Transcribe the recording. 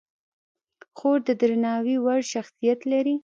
خور د درناوي وړ شخصیت لري.